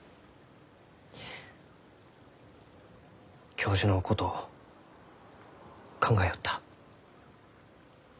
教授のこと考えよった。